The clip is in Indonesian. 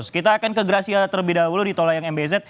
kita akan ke gracie adur terlebih dahulu di tola yang mbz